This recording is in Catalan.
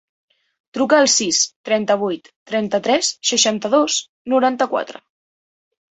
Truca al sis, trenta-vuit, trenta-tres, seixanta-dos, noranta-quatre.